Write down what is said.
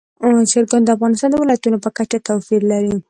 چرګان د افغانستان د ولایاتو په کچه توپیر لري.